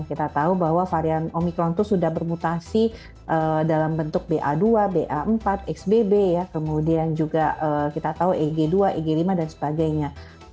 kita tahu bahwa varian omikron itu sudah bermutasi dalam bentuk ba dua ba empat xbb kemudian juga kita tahu eg dua eg lima dan sebagainya